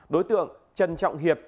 đối tượng trần trọng hiệp